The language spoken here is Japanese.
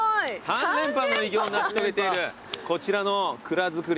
３連覇の偉業を成し遂げているこちらの蔵造りの。